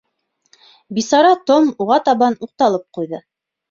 Бисара Том уға табан уҡталып ҡуйҙы.